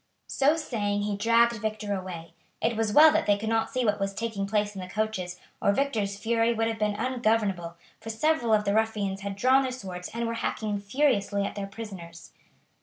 So saying he dragged Victor away. It was well that they could not see what was taking place in the coaches, or Victor's fury would have been ungovernable, for several of the ruffians had drawn their swords and were hacking furiously at their prisoners.